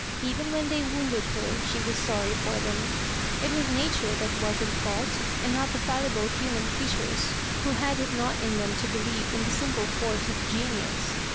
Even when they wounded her she was sorry for them. It was nature that was in fault, and not the fallible human creatures who had it not in them to believe in the simple force of genius.